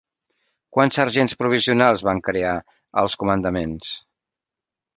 Quants sergents provisionals van crear als comandaments?